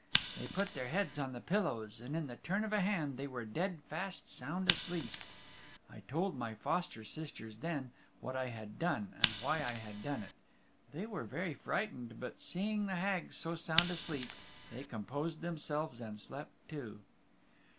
They put their heads on the pillows and in the turn of a hand they were dead fast sound asleep. I told my foster sisters then what I had done and why I had done it. They were very frightened, but seeing the Hags so sound asleep they composed themselves and slept too.